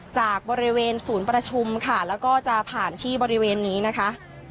จากบริเวณศูนย์ประชุมค่ะแล้วก็จะผ่านที่บริเวณนี้นะคะ